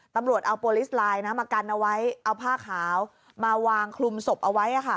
ตำรวจเอาโปรลิสไลน์มากันเอาไว้เอาผ้าขาวมาวางคลุมศพเอาไว้